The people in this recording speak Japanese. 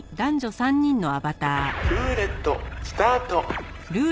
「ルーレットスタート！」